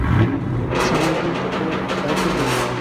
সবাই বলত, ও, তাই তো বলি।